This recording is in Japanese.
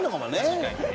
確かにね。